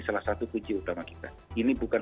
salah satu kunci utama kita ini bukan